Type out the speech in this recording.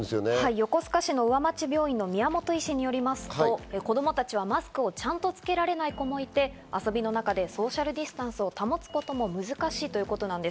横須賀市のうわまち病院の宮本医師によりますと子供たちはマスクをちゃんとつけられない子もいて、遊びの中でソーシャルディスタンスを保つことも難しいということです。